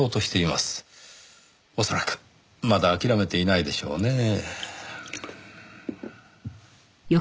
恐らくまだ諦めていないでしょうねぇ。